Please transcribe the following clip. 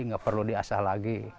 gak perlu ya